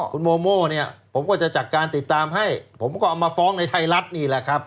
คุณโมโม่เนี่ยผมก็จะจัดการติดตามให้ผมก็เอามาฟ้องในไทยรัฐนี่แหละครับ